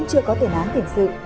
chưa có tuyển án tuyển sự